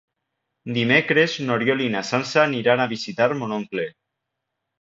Dimecres n'Oriol i na Sança aniran a visitar mon oncle.